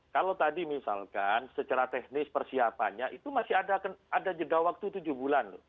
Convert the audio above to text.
kalau tadi misalkan secara teknis persiapannya itu masih ada jeda waktu tujuh bulan loh